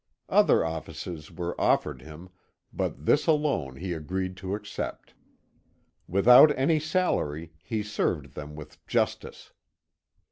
Other offices were offered him, but this alone he agreed to accept. Without any salary he served them with justice.